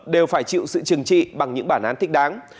đều phải chịu sự trừng trị bằng những bản án thích đáng